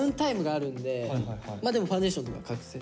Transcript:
まあでもファンデーションとかで隠せる。